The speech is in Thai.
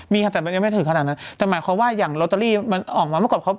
มีค่ะแต่มันยังไม่ถึงขนาดนั้นแต่หมายความว่าอย่างลอตเตอรี่มันออกมาเมื่อก่อนเขา